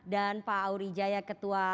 dan pak aury jaya ketua